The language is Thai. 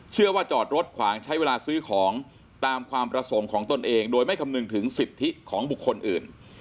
จอดรถขวางใช้เวลาซื้อของตามความประสงค์ของตนเองโดยไม่คำนึงถึงสิทธิของบุคคลอื่น